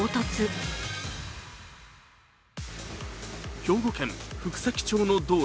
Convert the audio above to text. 兵庫県福崎町の道路。